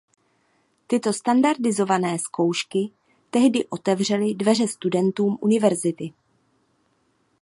Tyto standardizované zkoušky tehdy otevřely dveře studentům univerzity.